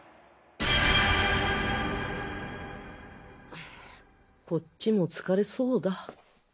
はぁこっちも疲れそうだ